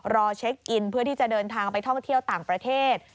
รอเช็คอินเพื่อที่จะเดินทางไปท่องเที่ยวต่างประเทศ